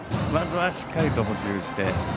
まずはしっかりと捕球して。